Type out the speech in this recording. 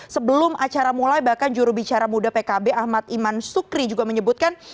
sebelum acara mulai bahkan jurubicara muda pkb ahmad iman sukri juga menyebutkan